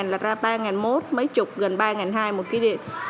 là ra ba một trăm linh mấy chục gần ba hai trăm linh một kwh